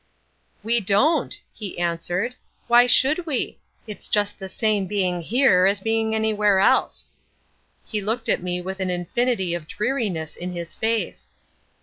"We don't," he answered. "Why should we? It's just the same being here as being anywhere else." He looked at me with an infinity of dreariness in his face.